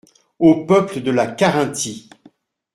Au peuple de la Carinthie.